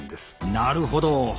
なるほど。